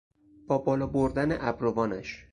با بالا بردن ابروانش